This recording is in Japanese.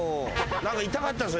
何か痛かったです